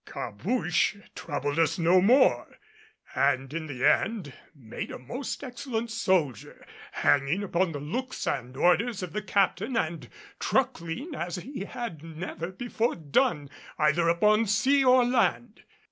Cabouche troubled us no more; and in the end made a most excellent soldier, hanging upon the looks and orders of the Captain, and truckling as he had never before done, either upon sea or land.